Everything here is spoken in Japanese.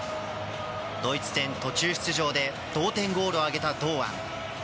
ドイツ戦、途中出場で同点ゴールを挙げた堂安。